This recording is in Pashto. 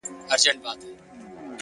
د ښكلا ميري د ښكلا پر كلي شپه تېروم.!